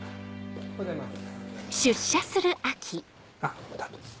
おはようございます。